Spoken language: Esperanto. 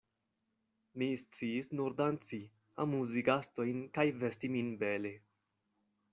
Mi sciis nur danci, amuzi gastojn kaj vesti min bele.